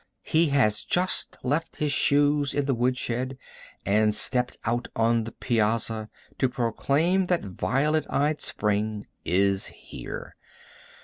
He has just left his shoes in the woodshed and stepped out on the piazza to proclaim that violet eyed spring is here.